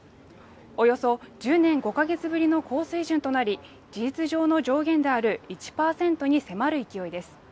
およそ１０年５か月ぶりの高水準となり事実上の上限である１％に迫る勢いです